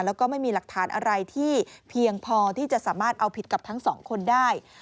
แล้วก็ไม่มีหลักฐานอะไรที่เพียงพอที่จะสามารถเอาผิดกับทั้งสองคนได้